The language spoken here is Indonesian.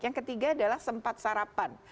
yang ketiga adalah sempat sarapan